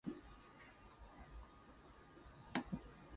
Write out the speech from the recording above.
Firstly to implement a secure digital watermarking scheme.